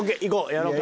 やろうか。